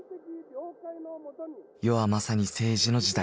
世はまさに政治の時代。